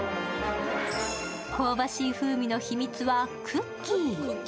香ばしい風味の秘密はクッキー。